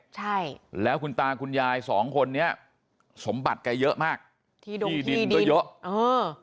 ใช่แล้วคุณตาคุณยายสองคนนี้สมบัติแกเยอะมากที่ดินที่ดินก็เยอะเออ